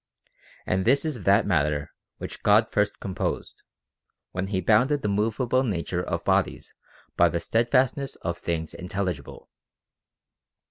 And this is that matter which God first composed, when he bounded the movable nature of bodies by the steadfastness of things intelligible.